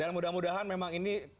dan mudah mudahan memang ini